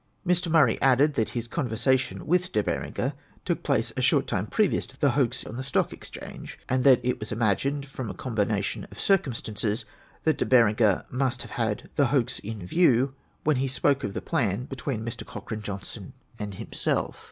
Mr. jMurray added that this converstion with De Berenger took place a short time previous to the hoax on the Stock Exchange ; and that it was imagined, from a combination of circumstances, that De Berenger must have had the hoax in view when he spoke of the plan between Mr. Cochrane Johnstone and liimself.